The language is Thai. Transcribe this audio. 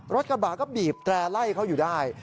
รถกระบะก็บีบแตร่ไล่เขาอยู่ได้